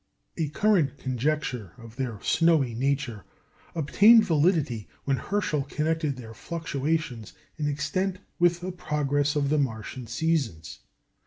A current conjecture of their snowy nature obtained validity when Herschel connected their fluctuations in extent with the progress of the Martian seasons.